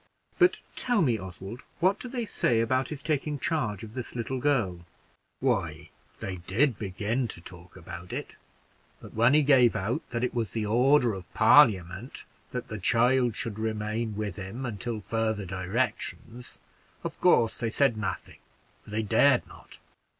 But tell me, Oswald, what do they say about his taking charge of this little girl?" "Why, they did begin to talk about it; but when he gave out that it was the order of Parliament that the child should remain with him until further directions, of course they said nothing, for they dared not.